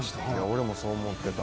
「俺もそう思ってた」